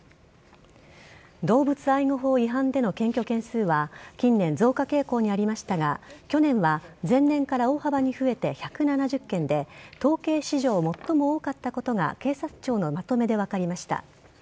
動物愛護法違反での検挙件数は近年、増加傾向にありましたが去年は前年から大幅に増えて１７０件で統計史上、最も多かったことが警察庁のまとめで分かりました。